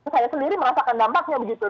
saya sendiri merasakan dampaknya begitu